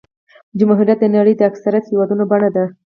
جمهوریت د نړۍ د اکثریت هېوادونو بڼه ده.